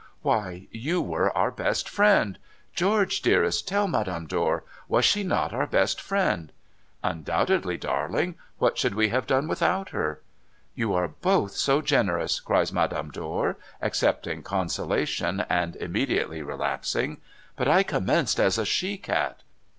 ' Why, you were our best friend ! George, dearest, tell Madame Dor. Was she not our best friend ?'' Undoubtedly, darling. What should we have done without her?' ' You are both so generous,' cries Madame Dor, accepting consolation, and immediately relapsing. ' But I commenced as a she cat.'